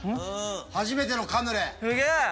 初めてのカヌレ。